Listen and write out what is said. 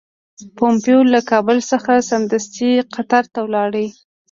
پومپیو له کابل څخه سمدستي قطر ته ولاړ.